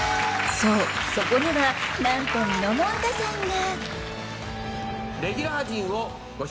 そう、そこにはなんと、みのもんたさんが。